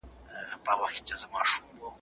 ¬ يوه کډه د بلي کډي زړه کاږي.